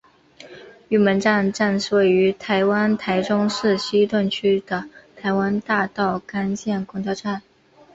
玉门路站站是位于台湾台中市西屯区的台湾大道干线公车站。